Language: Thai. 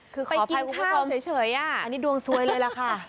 คือขอไปกินข้าวเฉยอ่ะอันนี้ดวงซวยเลยล่ะค่ะ